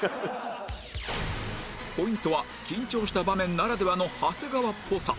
ポイントは緊張した場面ならではの長谷川っぽさ